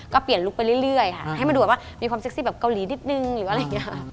ก็เปลี่ยนลุคไปเรื่อยค่ะให้มันดูแบบว่ามีความเซ็กซี่แบบเกาหลีนิดนึงหรืออะไรอย่างนี้ค่ะ